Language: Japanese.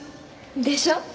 でしょ？